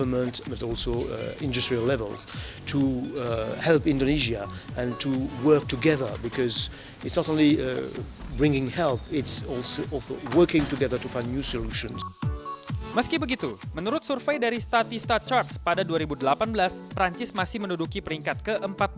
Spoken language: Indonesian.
meski begitu menurut survei dari statista charge pada dua ribu delapan belas perancis masih menduduki peringkat ke empat puluh lima